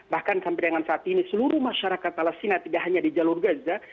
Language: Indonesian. bahkan sampai dengan saat ini seluruh masyarakat palestina tidak hanya di jalur gaza